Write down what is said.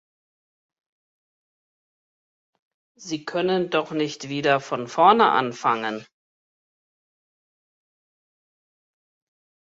Sie können doch nicht wieder von vorne anfangen.